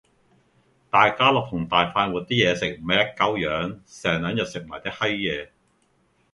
大家樂同埋大快活啲嘢食咪一鳩樣，成撚日食埋晒啲閪野